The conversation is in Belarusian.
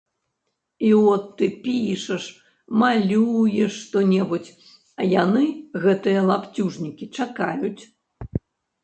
І от ты пішаш, малюеш што-небудзь, а яны, гэтыя лапцюжнікі, чакаюць.